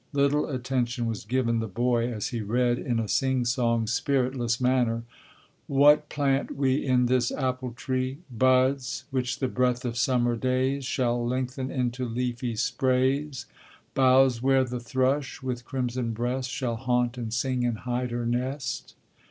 Little attention was given the boy as he read in a sing song, spiritless manner: "What plant we in this apple tree? Buds, which the breath of summer days Shall lengthen into leafy sprays; Boughs where the thrush, with crimson breast, Shall haunt and sing and hide her nest."